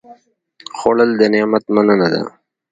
خوړل د نعمت مننه ده